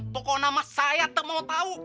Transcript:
pokoknya mah saya tak mau tau